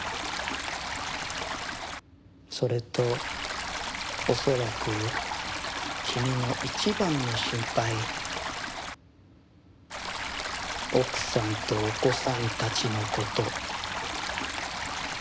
それと恐らく君の一番の心配奥さんとお子さんたちの事。